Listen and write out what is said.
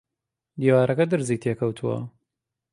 دیوارەکە درزی تێ کەوتووە